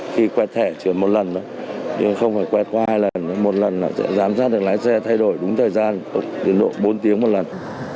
khi quẹt thẻ chỉ một lần nhưng không phải quay qua hai lần một lần sẽ giám sát được lái xe thay đổi đúng thời gian đến độ bốn tiếng một lần